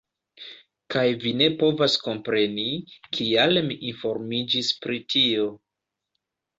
Kaj vi ne povas kompreni, kial mi informiĝas pri tio.